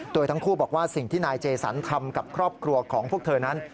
โดยทั้งคู่บอกว่าสิ่งที่นายเจสันทำกับครอบครัวของพวกเธอนั้น